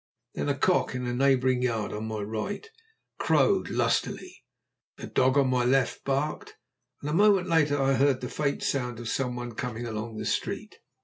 Then a cock in a neighbouring yard on my right crowed lustily, a dog on my left barked, and a moment later I heard the faint sound of some one coming along the street.